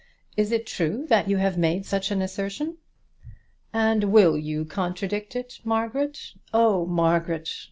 Is it true that you have made such an assertion?" "And will you contradict it, Margaret? Oh, Margaret!